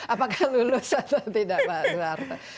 apakah lulus atau tidak pak suharto